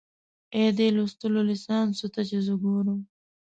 اې، دې لوستو ليسانسو ته چې زه ګورم